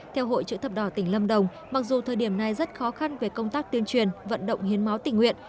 theo hội chữ thập đỏ tỉnh lâm đồng mặc dù thời điểm này rất khó khăn về công tác tuyên truyền vận động hiến máu tỉnh nguyện